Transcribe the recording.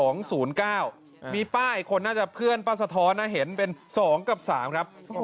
มีป้าอีกคนน่าจะเพื่อนป้าสะท้อนนะเห็นเป็น๒กับ๓ครับ